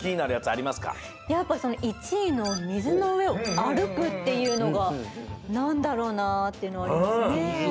やっぱ１いの「みずのうえをあるく！？」っていうのがなんだろうなっていうのはありますね。